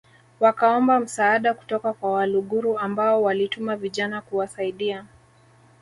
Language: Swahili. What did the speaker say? wakaomba msaada kutoka kwa Waluguru ambao walituma vijana kuwasaidia